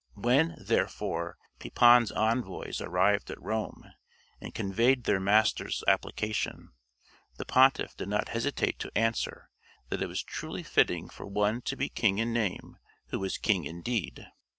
When, therefore, Pepin's envoys arrived at Rome, and conveyed their master's application, the pontiff did not hesitate to answer that it was truly fitting for one to be king in name who was king in deed.